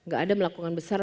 gak ada melakukan besar